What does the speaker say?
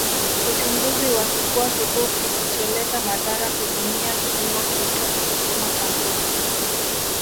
Uchunguzi wa kifua kikuu kisicholeta madhara hutumia kipimo kiitwacho kipimo cha ngozi